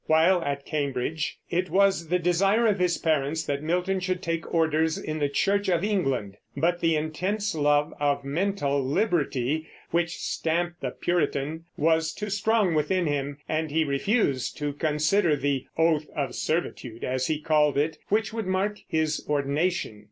While at Cambridge it was the desire of his parents that Milton should take orders in the Church of England; but the intense love of mental liberty which stamped the Puritan was too strong within him, and he refused to consider the "oath of servitude," as he called it, which would mark his ordination.